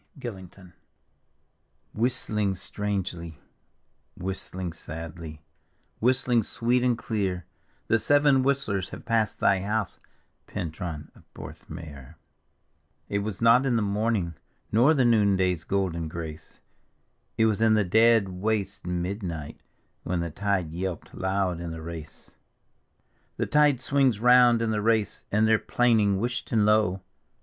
gillincton Whistling strangely, whistling sadly, whistling sweet and clear, The Seven Whistlers have passed thy house, Pentnian of Porthmeor ; It was not in the morning, nor the noonday's golden grace, It was in the dead waste midnight, when the tide yelped' loud in tHe Race: The tide swings round in the Race, and they're plaining whisht and low.